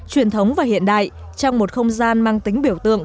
truyền thống và hiện đại trong một không gian mang tính biểu tượng